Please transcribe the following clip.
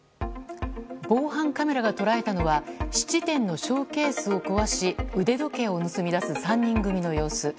防犯カメラが捉えたのは質店のショーケースを壊し腕時計を盗み出す３人組の様子。